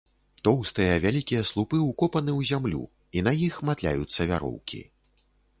Тоўстыя, вялікія слупы ўкопаны ў зямлю, і на іх матляюцца вяроўкі.